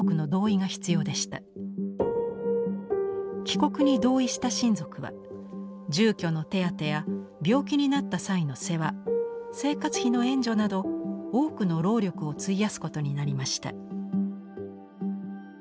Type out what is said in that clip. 帰国に同意した親族は住居の手当てや病気になった際の世話生活費の援助など多くの労力を費やすことになりました。